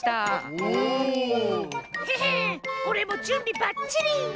おおっ！へへおれもじゅんびばっちり！